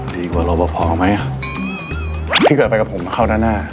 ดีกว่ารถพอพร้อมไหมอ่ะพี่เกิร์ตไปกับผมมาเข้าด้านหน้า